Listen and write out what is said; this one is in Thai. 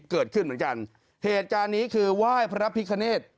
เกิดขึ้นเหมือนกัน